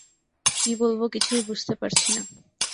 কী বলব কিছুই বুজতে পারছি না।